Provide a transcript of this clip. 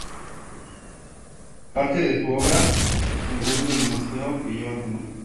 Parte de su obra se encuentra en el museo que lleva su nombre.